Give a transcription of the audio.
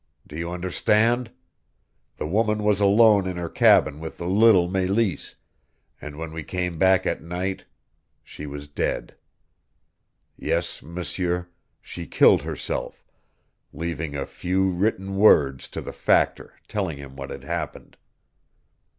Do you understand? The woman was alone in her cabin with the little Meleese and when we came back at night she was dead. Yes, M'seur, she killed herself, leaving a few written words to the Factor telling him what had happened.